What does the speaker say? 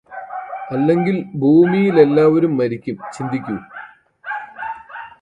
അല്ലെങ്കില് ഭൂമിയിലെല്ലാവരും മരിക്കും ചിന്തിക്കൂ